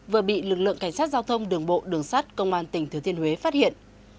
vừa bị lực lượng cảnh sát giao thông đường bộ đường sát công an tỉnh thừa thiên huế phát hiện